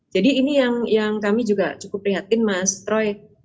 jadi ini yang kami juga cukup perhatikan mas troy